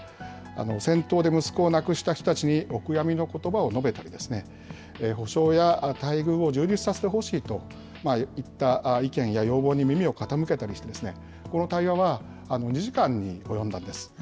戦闘で息子を亡くした人たちにお悔やみのことばを述べたり、補償や待遇を充実させてほしいといった意見や要望に耳を傾けたりして、この対話は２時間に及んだんです。